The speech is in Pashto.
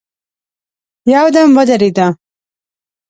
يودم ودرېده.